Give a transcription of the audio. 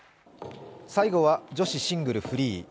最後は女子シングルフリー。